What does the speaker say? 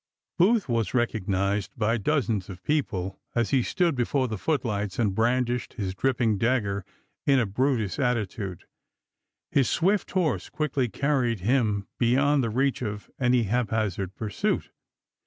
Booth was recognized by dozens of people as he stood before the footlights and brandished his drip THE FATE OF THE ASSASSINS 307 ping dagger in a Brutus attitude. His swift horse chap, xv quickly carried him beyond the reach of any hap Api.i4,i8<a hazard pursuit.